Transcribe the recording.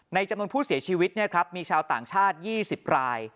จำนวนผู้เสียชีวิตมีชาวต่างชาติ๒๐ราย